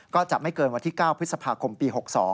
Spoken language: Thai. ก็จะไม่เกินวันที่๙พฤษภาคมปี๖๒